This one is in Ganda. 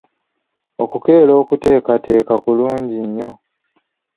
Okukeera okuteekateeka kulungi nnyo.